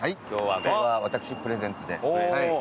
今日は私プレゼンツで。